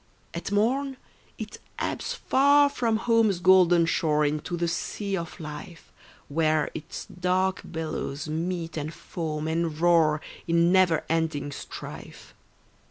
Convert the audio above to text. At morn it ebbs far from home's golden shore Into the sea of life, Where its dark billows meet and foam and roar In never ending strife.